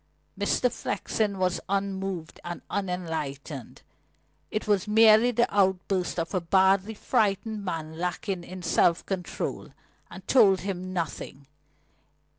Mr. Flexen was unmoved and unenlightened. It was merely the outburst of a badly frightened man lacking in self control, and told him nothing.